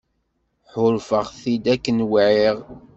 Ḥuṛfeɣ-t-id akken wɛiɣ.